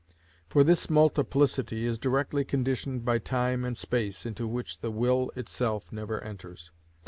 For this multiplicity is directly conditioned by time and space, into which the will itself never enters.